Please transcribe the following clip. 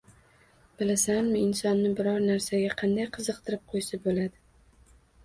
- Bilasanmi, insonni biror narsaga qanday qiziqtirib qo'ysa bo'ladi?